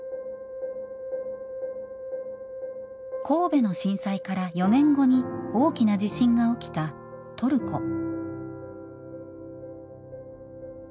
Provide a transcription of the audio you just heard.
神戸の震災から４年後に大きな地震が起きたトルコ。